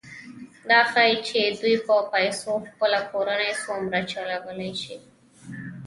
دا ښيي چې دوی په پیسو خپله کورنۍ څومره چلولی شي